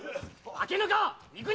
開けぬか！